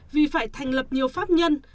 vì phải thành lập nhiều pháp nhân